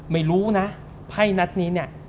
ไม่รู้นะไพ่นัดนี้เนี่ย